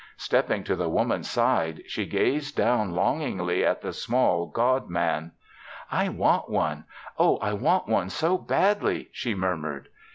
Stepping to the Woman's side, she gazed down longingly at the small God Man. "I want one. Oh, I want one so badly," she murmured.